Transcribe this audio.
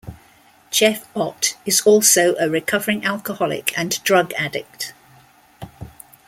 Jeff Ott is also a recovering alcoholic and drug addict.